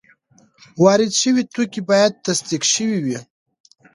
وارد شوي توکي باید تصدیق شوي وي.